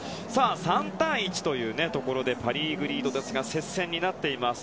３対１というところでパ・リーグリードですが接戦になっています。